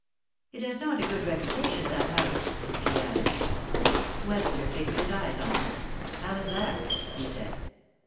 "It has not a good reputation, that house," she added. Webster fixed his eyes on her. "How is that?" he said.